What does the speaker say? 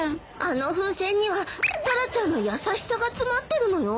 あの風船にはタラちゃんの優しさが詰まってるのよ。